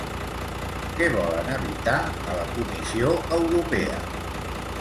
Què volen evitar a la Comissió Europea?